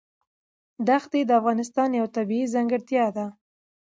دښتې د افغانستان یوه طبیعي ځانګړتیا ده.